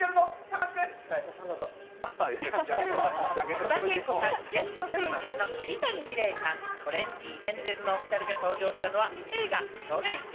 戸田恵子さん、ゲスト声優の桐谷美玲さん、トレンディエンジェルのお２人が登場したのは映画『それいけ！